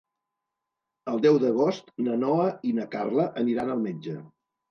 El deu d'agost na Noa i na Carla aniran al metge.